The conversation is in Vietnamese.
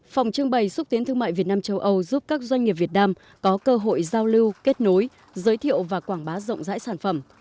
phòng trưng bày xúc tiến thương mại việt nam châu âu giúp các doanh nghiệp việt nam có cơ hội giao lưu kết nối giới thiệu và quảng bá rộng rãi sản phẩm